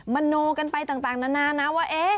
โนกันไปต่างนานานะว่า